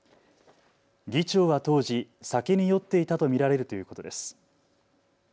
議長は当時、酒に酔っていたと見られるということです。